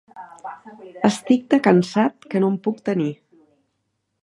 Estic, de cansat, que no em puc tenir.